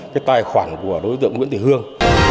cái tài khoản của đối tượng nguyễn thị hương